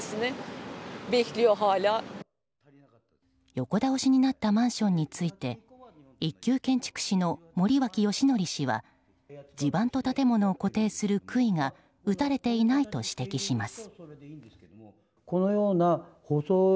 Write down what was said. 横倒しになったマンションについて１級建築士の森脇義則氏は地盤と建物を固定する杭が打たれていないと指摘します。